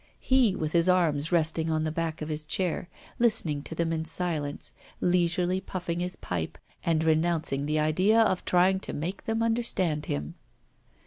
He, with his arms resting on the back of his chair, listened to them in silence, leisurely puffing his pipe, and renouncing the idea of trying to make them understand him.